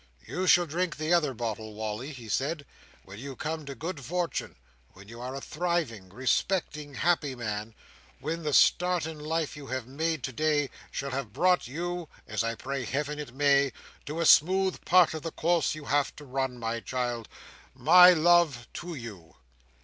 "You shall drink the other bottle, Wally," he said, "when you come to good fortune; when you are a thriving, respected, happy man; when the start in life you have made today shall have brought you, as I pray Heaven it may!—to a smooth part of the course you have to run, my child. My love to you!"